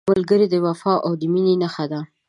ملګری د وفا او مینې نښه وي